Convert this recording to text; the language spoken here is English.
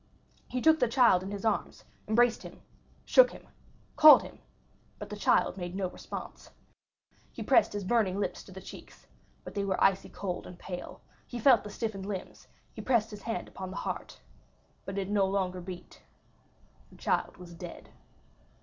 He took the child in his arms, embraced him, shook him, called him, but the child made no response. He pressed his burning lips to the cheeks, but they were icy cold and pale; he felt the stiffened limbs; he pressed his hand upon the heart, but it no longer beat,—the child was dead.